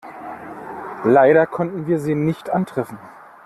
Leider konnten wir Sie nicht antreffen.